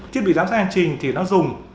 thiết bị giám sát hành trình thì nó dùng